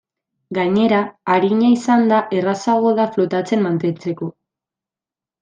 Gainera, arina izanda errazago da flotatzen mantentzeko.